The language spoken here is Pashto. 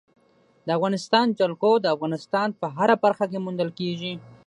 د افغانستان جلکو د افغانستان په هره برخه کې موندل کېږي.